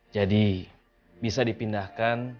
jadi bisa dipindahkan